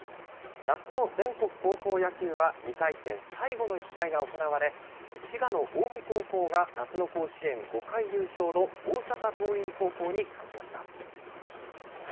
夏の全国高校野球は２回戦最後の１試合が行われ、滋賀の近江高校が夏の甲子園５回優勝の大阪桐蔭高校に勝ちました。